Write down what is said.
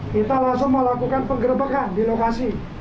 kita langsung melakukan penggerbekan di lokasi